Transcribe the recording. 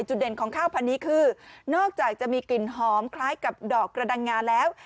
เด่นของข้าวพันนี้คือนอกจากจะมีกลิ่นหอมคล้ายกับดอกกระดังงาแล้ว